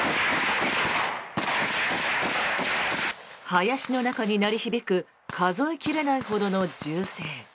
林の中に鳴り響く数え切れないほどの銃声。